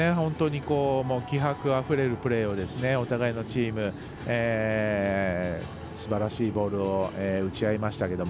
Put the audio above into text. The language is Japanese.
気迫あふれるプレーをお互いのチームすばらしいボールを打ち合いましたけども。